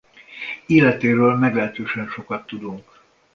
Életéről meglehetősen sokat tudunk.